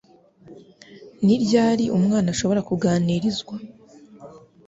Ni ryari umwana ashobora kuganirizwa